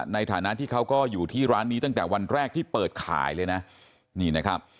ในฐานะที่เขาก็อยู่ที่ร้านนี้ตั้งแต่วันแรกที่เปิดขายเลยนะนี่นะครับ